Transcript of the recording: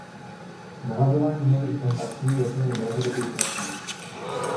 Navazování nových kontaktů je pro ně dlouhodobý proces.